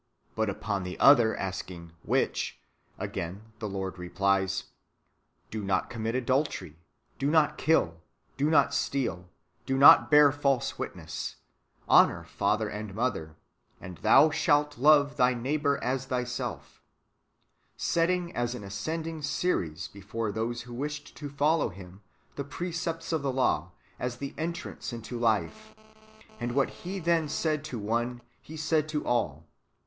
"^ But upon the other asking " AVhich? " again the Lord replies: " Do not commit adultery, do not kill, do not steal, do not bear false witness, honour father and mother, and thou shalt love thy neighbour as thyself," — setting as an ascending series {velut gracilis) before those who wished to follow Him, the precepts of the law, as the entrance into life ; and what He then said to one Pie said to all.